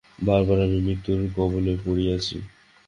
বার বার আমি মৃত্যুর কবলে পড়িয়াছি।